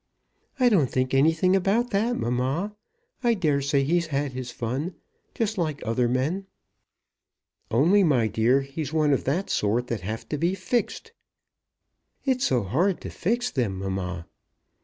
"I don't think anything about that, mamma. I dare say he's had his fun, just like other men." "Only, my dear, he's one of that sort that have to be fixed." "It's so hard to fix them, mamma."